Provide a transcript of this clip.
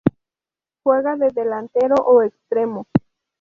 Juega de delantero o extremo.